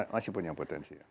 masih punya potensi